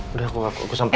udah aku sampai nanti ya